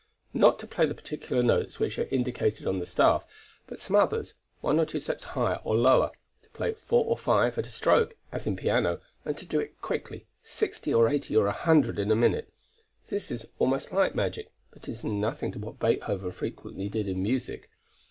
Not to play the particular notes which are indicated on the staff, but some others, one or two steps higher or lower; to play four or five at a stroke, as in piano, and to do it quickly, sixty or eighty or a hundred in a minute, this is almost like magic, but it is nothing to what Beethoven frequently did in music.